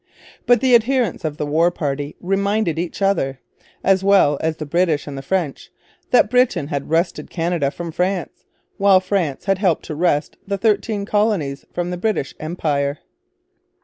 But the adherents of the war party reminded each other, as well as the British and the French, that Britain had wrested Canada from France, while France had helped to wrest the Thirteen Colonies from the British Empire.